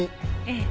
ええ。